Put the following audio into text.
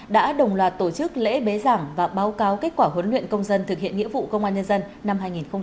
đã đồng loạt tổ chức lễ bế giảng và báo cáo kết quả huấn luyện công dân thực hiện nghĩa vụ công an nhân dân năm hai nghìn hai mươi ba